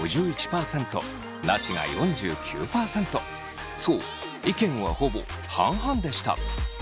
結果はそう意見はほぼ半々でした。